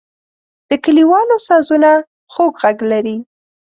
د کلیوالو سازونه خوږ غږ لري.